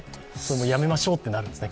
やめましょうってなるんですね。